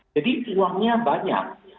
jadi uangnya banyak